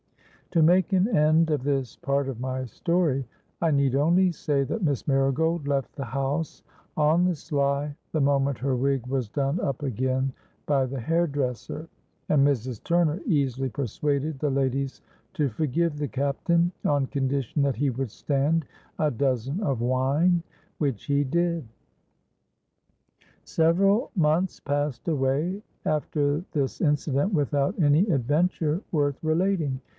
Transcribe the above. To make an end of this part of my story, I need only say, that Miss Marigold left the house on the sly the moment her wig was done up again by the hair dresser; and Mrs. Turner easily persuaded the ladies to forgive the Captain, on condition that he would stand a dozen of wine—which he did. "Several months passed away after this incident without any adventure worth relating.